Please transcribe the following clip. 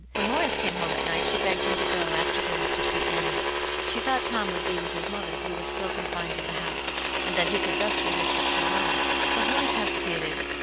When Horace came home at night she begged him to go, after dinner, to see Annie. She thought Tom would be with his mother, who was still confined to the house, and that he could thus see her sister alone. But Horace hesitated.